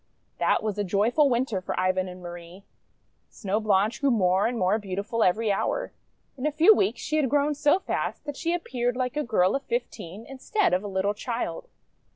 That was a joyful Winter for Ivan and Marie. Snow Blanche grew more and more beautiful every hour. In a few weeks she had grown so fast that she appeared like a girl of fifteen in stead of a little child.